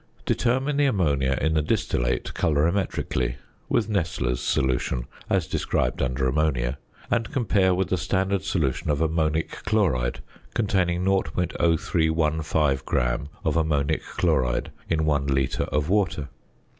Determine the ammonia in the distillate colorimetrically (with Nessler's solution, as described under Ammonia) and compare with a standard solution of ammonic chloride containing 0.0315 gram of ammonic chloride in 1 litre of water.